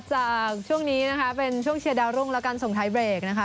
จากช่วงนี้นะคะเป็นช่วงเชียร์ดาวรุ่งแล้วกันส่งท้ายเบรกนะคะ